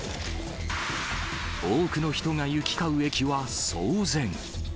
多くの人が行き交う駅は騒然。